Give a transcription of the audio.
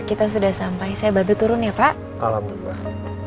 kita sudah sampai saya bantu turun ya pak